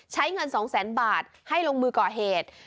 ใช้เงิน๒แสนบาทให้ลงมือก่อเหตุ